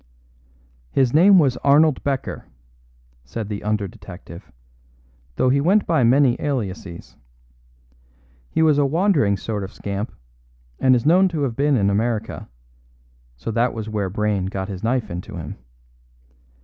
"His name was Arnold Becker," said the under detective, "though he went by many aliases. He was a wandering sort of scamp, and is known to have been in America; so that was where Brayne got his knife into him.